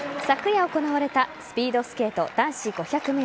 昨夜行われたスピードスケート男子５００ｍ